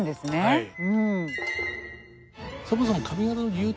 はい。